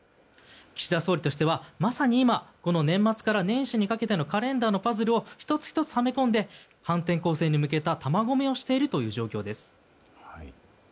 岸田総理としてはまさに今年末年始にかけてのカレンダーのパズルを１つ１つ、はめ込んで反転攻勢に向けた弾混めをしているという状態です。